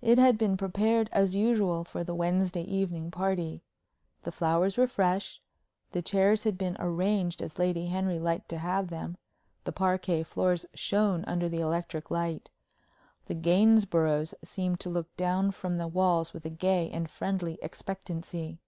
It had been prepared as usual for the Wednesday evening party. The flowers were fresh; the chairs had been arranged as Lady Henry liked to have them; the parquet floors shone under the electric light; the Gainsboroughs seemed to look down from the walls with a gay and friendly expectancy.